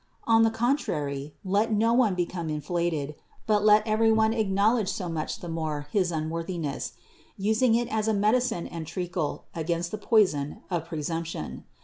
On the contrary let no one become inflated, but let every one acknowledge so much the more his unworthiness, using it as a medicine and treacle against the poison of presumption.